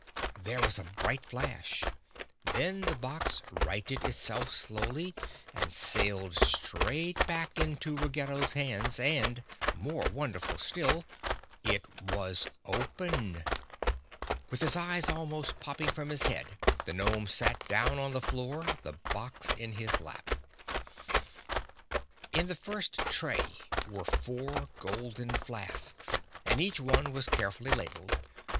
There was a bright flash; then the box righted itself slowly and sailed straight back into Ruggedo's hands and, more wonderful still, it was open! With his eyes almost popping from his head, the gnome sat down on the floor, the box in his lap. [Illustration: (unlabelled)] In the first tray were four golden flasks and each one was carefully labeled.